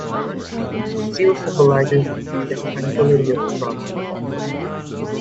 The seal symbolizes the peace and tranquility of the province.